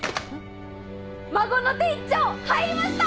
孫の手１丁入りました！